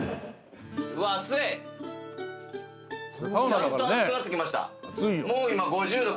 ちゃんと熱くなってきました。